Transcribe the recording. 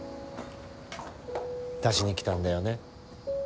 出しに来たんだよね。